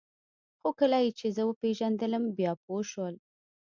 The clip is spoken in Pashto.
خو کله یې چې زه وپېژندلم بیا پوه شول